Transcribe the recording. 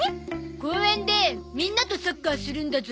公園でみんなとサッカーするんだゾ。